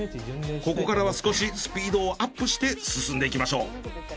ここからは少しスピードをアップして進んでいきましょう。